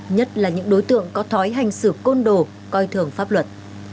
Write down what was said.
nhất là những đối tượng có thói hành xử côn đồ coi thường pháp luật